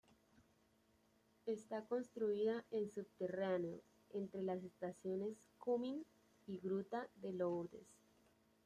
Está construida en subterráneo, entre las estaciones Cumming y Gruta de Lourdes.